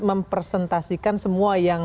mempresentasikan semua yang